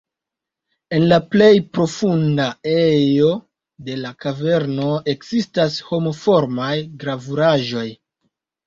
En la plej profunda ejo de la kaverno ekzistas homo-formaj gravuraĵoj.